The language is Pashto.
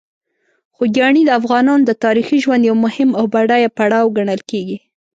خوږیاڼي د افغانانو د تاریخي ژوند یو مهم او بډایه پړاو ګڼل کېږي.